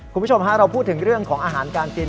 คุณผู้ชมฮะเราพูดถึงเรื่องของอาหารการกิน